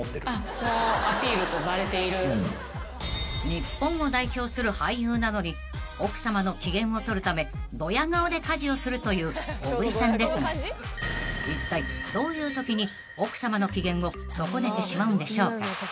［日本を代表する俳優なのに奥さまの機嫌を取るためドヤ顔で家事をするという小栗さんですがいったいどういうときに奥さまの機嫌を損ねてしまうんでしょうか］